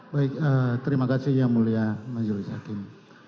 baik terima kasih yang mulia majelis hakim